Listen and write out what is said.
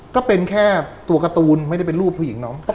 ก็เป็นแค่ตัวการ์ตูนไม่ได้เป็นรูปผู้หญิงเนาะ